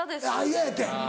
嫌やて。